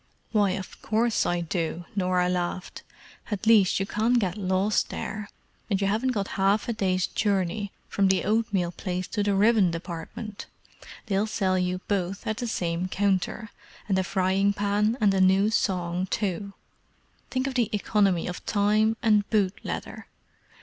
"Why, of course I do," Norah laughed. "At least you can't get lost there, and you haven't got half a day's journey from the oatmeal place to the ribbon department: they'll sell you both at the same counter, and a frying pan and a new song too! Think of the economy of time and boot leather!